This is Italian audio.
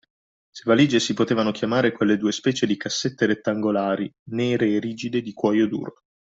Se valige si potevano chiamare quelle due specie di cassette rettangolari, nere e rigide, di cuoio duro.